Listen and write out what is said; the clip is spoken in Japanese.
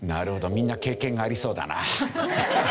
みんな経験がありそうだな。